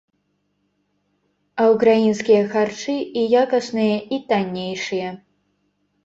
А ўкраінскія харчы і якасныя, і таннейшыя.